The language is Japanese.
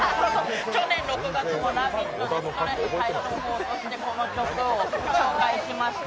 去年６月の「ラヴィット！」でストレス解消法でこの曲を紹介しました。